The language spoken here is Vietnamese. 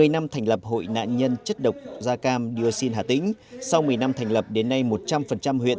hai mươi năm thành lập hội nạn nhân chất độc da cam dioxin hà tĩnh sau một mươi năm thành lập đến nay một trăm linh huyện